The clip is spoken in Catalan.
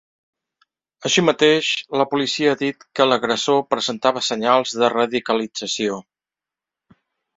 Així mateix, la policia ha dit que l’agressor presentava senyals de radicalització.